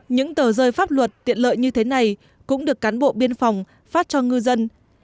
những tờ rơi pháp luật tiện lợi như thế này cũng được cán bộ biên phòng phát cho ngư dân